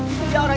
itu dia raden